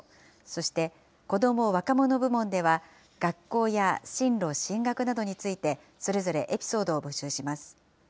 そして、子ども・若者部門では学校や進路・進学などについて、それぞれエピソードを募集します。